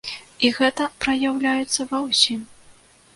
І гэта праяўляецца ва ўсім.